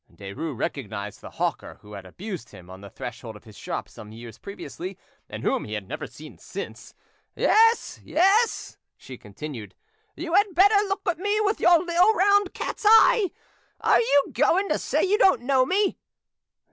Derues recognised the hawker who had abused him on the threshold of his shop some years previously, and whom he had never seen since. "Yes, yes," she continued, "you had better look at me with your little round cat's eyes. Are you going to say you don't know me?"